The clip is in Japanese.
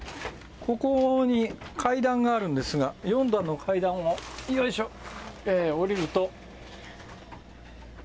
ここに階段があるんですが、４段の階段を、よいしょ、下りると。